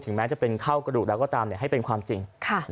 แม้จะเป็นเข้ากระดูกแล้วก็ตามให้เป็นความจริง